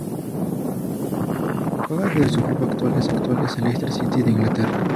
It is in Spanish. Juega de delantero y su club actual es el Leicester City de Inglaterra.